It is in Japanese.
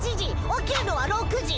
起きるのは６時！